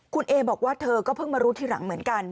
คุณเอบอกว่าเธอก็เพิ่งมารู้ทีหลังเหมือนกัน